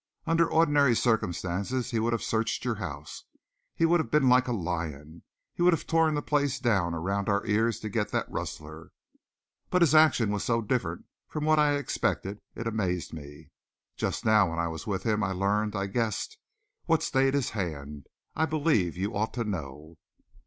Under ordinary circumstances he would have searched your house. He would have been like a lion. He would have torn the place down around our ears to get that rustler. "But his action was so different from what I had expected, it amazed me. Just now, when I was with him, I learned, I guessed, what stayed his hand. I believe you ought to know."